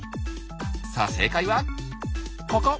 さあ正解はここ！